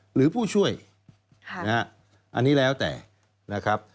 หรือผู้ช่วยอันนี้แล้วแต่นะครับ